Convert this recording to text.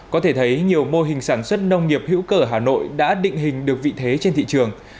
có thể thấy nhiều mô hình sản xuất nông nghiệp hữu cơ ở hà nội đã định hình được vị thế trên thị trường